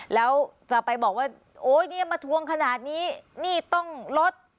แล้วจะไปบอกว่าโอ๊ยเนี่ยมาทวงขนาดนี้นี่ต้องลด